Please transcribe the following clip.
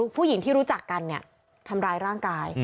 ผู้หญิงที่รู้จักกันเนี่ยทำร้ายร่างกาย